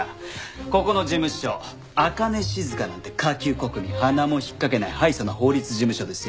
ここの事務所朱音静なんて下級国民洟も引っかけないハイソな法律事務所ですよ。